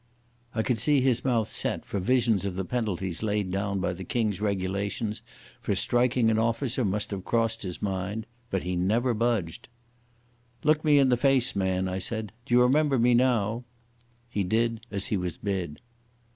I could see his mouth set, for visions of the penalties laid down by the King's Regulations for striking an officer must have crossed his mind. But he never budged. "Look me in the face, man," I said. "Do you remember me now?" He did as he was bid.